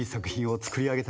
盛り上げた。